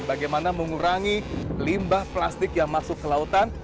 bagaimana mengurangi limbah plastik yang masuk ke lautan